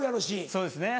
そうですね。